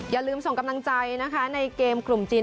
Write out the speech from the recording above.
อย่าลืมส่งกำลังใจนะคะในเกมกลุ่มจีน